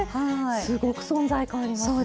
すごく存在感ありますよね。